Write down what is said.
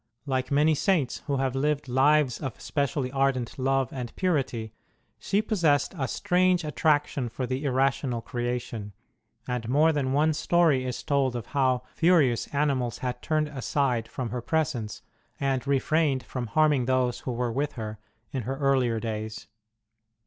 Like many Saints who have lived lives of specially ardent love and purity, she pos sessed a strange attraction for the irrational creation ; and more than one story is told of how furious animals had turned aside from her presence, and refrained from harming those who were with her, in her earlier days.